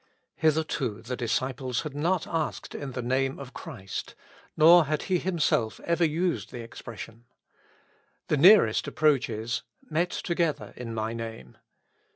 HITHERTO the disciples had not asked in the Name of Christ, nor had He Himself ever used the expression. The nearest approach is, "met together in my Name."